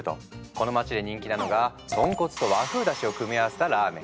この街で人気なのが豚骨と和風だしを組み合わせたラーメン。